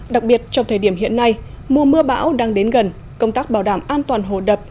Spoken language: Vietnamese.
đặc biệt trong thời điểm hiện nay mùa mưa bão đang đến gần công tác bảo đảm an toàn hồ đập